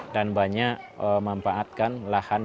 dan banyak mampaan untuk hutan yang dihasilkan oleh hutan ini